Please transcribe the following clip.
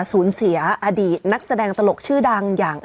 สูญเสียอดีตนักแสดงตลกชื่อดังอย่าง